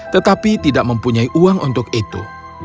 tetapi tidak mempunyai uang untuk itu